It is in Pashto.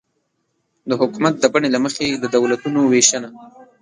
د حکومت د بڼې له مخې د دولتونو وېشنه